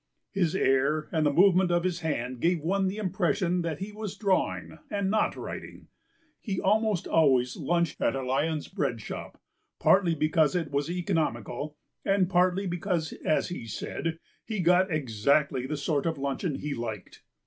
His air and the movement of his hand gave one the impression that he was drawing and not writing. He almost always lunched at a Lyons bread shop, partly because it was economical and partly because, as he said, he got exactly the sort of luncheon he liked.